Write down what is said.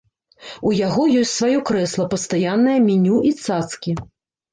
У яго ёсць сваё крэсла, пастаяннае меню і цацкі.